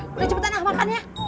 udah cepetan lah makan ya